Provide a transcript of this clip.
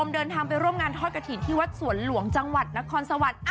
เดินทางไปร่วมงานทอดกระถิ่นที่วัดสวนหลวงจังหวัดนครสวรรค์